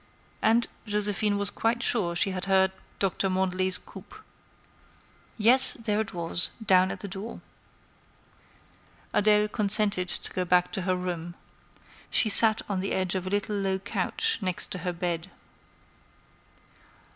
And Joséphine was quite sure she had heard Doctor Mandelet's coupé. Yes, there it was, down at the door. Adèle consented to go back to her room. She sat on the edge of a little low couch next to her bed.